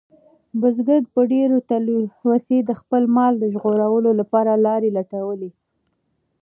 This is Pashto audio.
بزګر په ډېرې تلوسې د خپل مال د ژغورلو لپاره لارې لټولې.